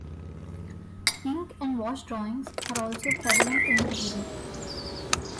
Ink and wash drawings are also prevalent in the period.